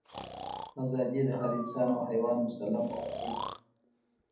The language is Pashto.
ازادي د هر انسان او حیوان مسلم حق دی.